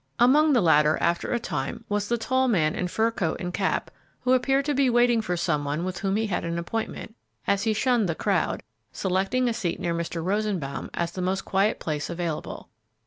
Among the latter, after a time, was the tall man in fur coat and cap, who appeared to be waiting for some one with whom he had an appointment, as he shunned the crowd, selecting a seat near Mr. Rosenbaum as the most quiet place available.